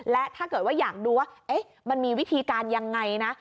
และถ้าเกิดว่าอยากดูว่ามันมีวิธีการยังไงนะ